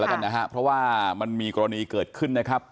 แล้วกันนะฮะเพราะว่ามันมีกรณีเกิดขึ้นนะครับ